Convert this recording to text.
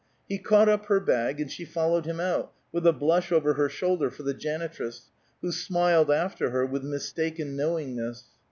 He caught up her bag, and she followed him out, with a blush over her shoulder for the janitress, who smiled after her with mistaken knowingness.